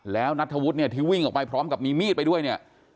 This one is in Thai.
แล้วนัทธวุฒิเนี่ยที่วิ่งออกไปพร้อมกับมีมีดไปด้วยเนี่ย